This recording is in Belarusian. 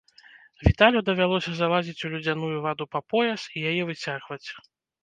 Віталю давялося залазіць у ледзяную ваду па пояс і яе выцягваць.